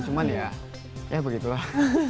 cuman ya ya begitulah